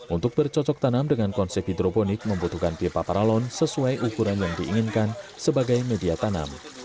untuk bercocok tanam dengan konsep hidroponik membutuhkan pipa paralon sesuai ukuran yang diinginkan sebagai media tanam